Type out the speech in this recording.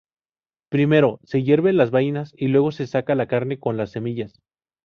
Primero, se hierven las vainas y luego se saca la carne con las semillas.